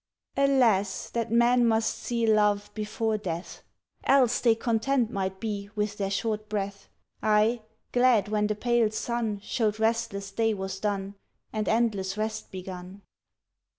Alas! that men must see Love, before Death! Else they content might be With their short breath; Aye, glad, when the pale sun Showed restless day was done, And endless Rest begun.